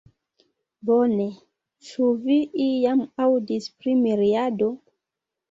Bone, ĉu vi iam aŭdis pri miriado?